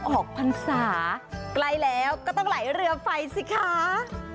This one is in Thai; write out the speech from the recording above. ออกพันธุ์ภาคันสาปลายแล้วก็ต้องไหลเรือไฟสิค่ะ